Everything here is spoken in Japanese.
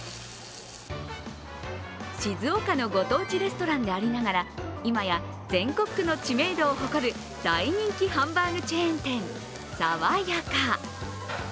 静岡のご当地レストランでありながら今や全国区の知名度を誇る大人気ハンバーグチェーン店さわやか。